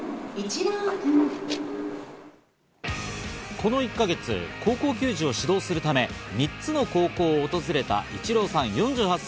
この１か月、高校球児を指導するため、３つの高校を訪れたイチローさん、４８歳。